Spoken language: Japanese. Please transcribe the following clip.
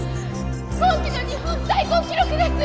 今季の日本最高記録です！